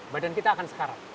badan kita akan sekarat